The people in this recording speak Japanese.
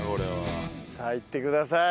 さあいってください。